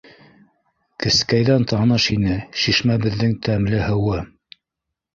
Кескәйҙән таныш ине шишмәбеҙҙең тәмле һыуы.